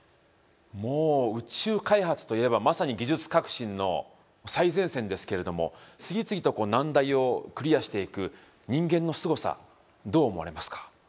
もう宇宙開発といえばまさに技術革新の最前線ですけれども次々と難題をクリアしていく人間のすごさどう思われますか。